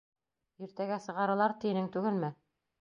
Иртәгә сығаралар ти инең түгелме?